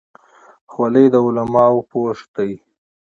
خولۍ د علماو پوښ دی.